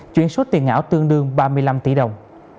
chuyển số tiền ảo tương đương ba mươi năm tỷ đồng